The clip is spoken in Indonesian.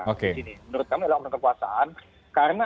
menurut kami adalah oknum kekuasaan karena